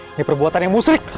ini perbuatan yang musrik